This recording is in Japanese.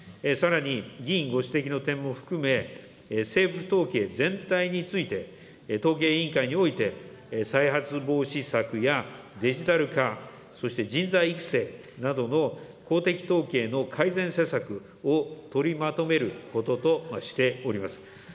さらに、議員ご指摘の点も含め、政府統計全体について、統計委員会において再発防止策や、デジタル化、そして人材育成などの公的統計の改善施策を取りまとめることとしております。